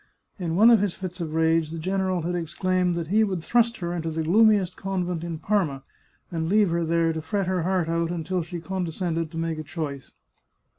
In one of his fits of rage the general had exclaimed that he would thrust her into the gloomiest convent in Parma, and leave her there to fret her heart out until she condescended to make a choice.